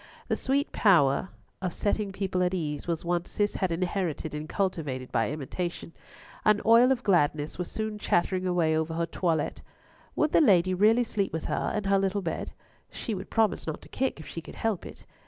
The sweet power of setting people at ease was one Cis had inherited and cultivated by imitation, and Oil of Gladness was soon chattering away over her toilette. Would the lady really sleep with her in her little bed? She would promise not to kick if she could help it.